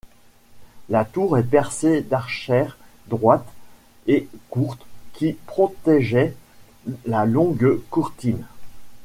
La tour est percée d'archères droites et courtes qui protégeaient la longue courtine.